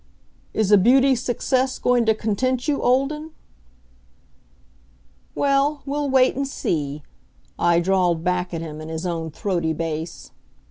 "Is a beauty success going to content you, Olden?" "Well, we'll wait and see," I drawled back at him in his own throaty bass.